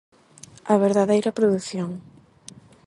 A verdadeira produción.